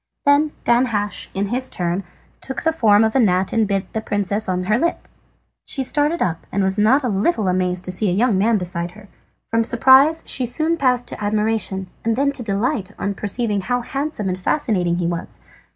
Then Danhasch, in his turn, took the form of a gnat and bit the princess on her lip. She started up, and was not a little amazed at seeing a young man beside her. From surprise she soon passed to admiration, and then to delight on perceiving how handsome and fascinating he was.